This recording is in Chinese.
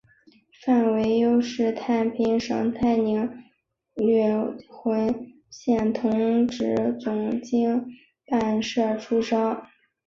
范惟悠是太平省太宁府琼瑰县同直总芹泮社出生。